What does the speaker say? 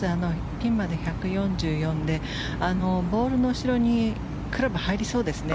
ピンまで１４４でボールの後ろにクラブ入りそうですね。